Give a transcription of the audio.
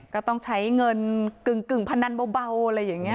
ก็ต้องใช้เงินกึ่งพนันเบาอะไรอย่างนี้